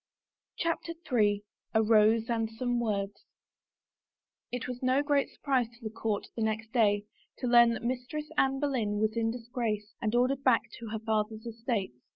CHAPTER III A ROSE AND SOME WORDS IT was no great surprise to the court, the next day, to learn that Mistress Anne Boleyn was in disgrace and ordered back to her father's estates.